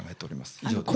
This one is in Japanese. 以上です。